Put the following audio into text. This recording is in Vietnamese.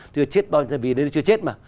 chưa chết bao nhiêu tiền vì nó chưa chết mà